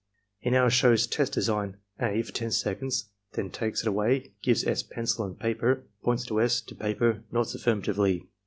He now shows test design (a) for 10 seconds; then takes it away, gives S. pencil and paper, points to S., to paper, nods affirmatively.